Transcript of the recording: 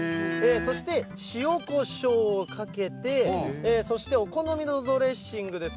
そして、塩こしょうをかけて、そしてお好みのドレッシングです。